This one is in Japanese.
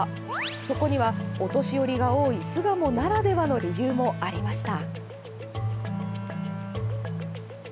そこには、お年寄りが多い巣鴨ならではの理由もありました。